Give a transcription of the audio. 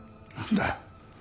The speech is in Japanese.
何だよ。